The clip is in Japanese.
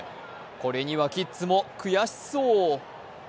これにはキッズも悔しそう。